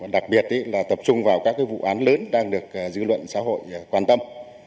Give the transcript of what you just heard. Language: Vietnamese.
đặc biệt là tập trung vào các vụ án lớn đang được dư luận xã hội quan tâm